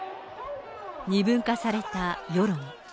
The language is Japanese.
二分化された世論。